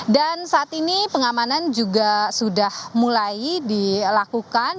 dan saat ini pengamanan juga sudah mulai dilakukan